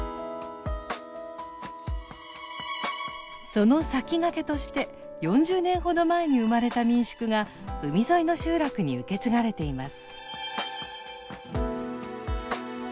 その先駆けとして４０年ほど前に生まれた民宿が海沿いの集落に受け継がれています。